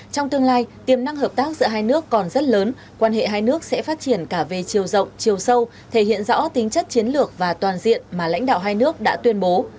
trong tương lai tiềm năng hợp tác giữa hai nước còn rất lớn quan hệ hai nước sẽ phát triển cả về chiều rộng chiều sâu thể hiện rõ tính chất chiến lược và toàn diện mà lãnh đạo hai nước đã tuyên bố